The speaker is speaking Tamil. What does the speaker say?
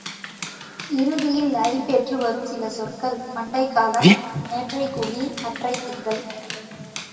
இறுதியில் ஐ பெற்றுவரும் சில சொற்கள் பண்டைக் காலம், நேற்றைக் கூலி, அற்றைத் திங்கள்.